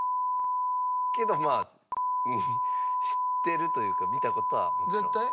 けどまあ知ってるというか見た事はもちろん。絶対？